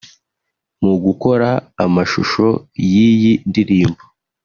Mu gukora amashusho y’iyi ndirimbo